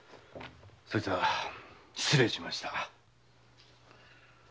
そいつは失礼しました。